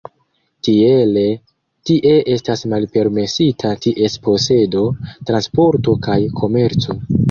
Tiele tie estas malpermesita ties posedo, transporto kaj komerco.